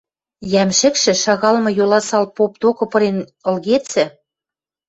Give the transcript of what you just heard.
Йӓмшӹкшӹ шагалмы Йоласал поп докы пырен ылгецӹ